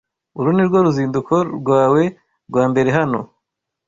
Uru nirwo ruzinduko rwawe rwa mbere hano?